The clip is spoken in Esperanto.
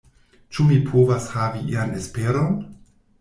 Ĉu mi povas havi ian esperon?